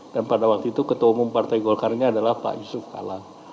dan pada waktu itu ketua umum partai golkarnya adalah pak yusuf kalang